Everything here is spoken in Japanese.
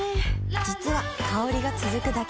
実は香りが続くだけじゃない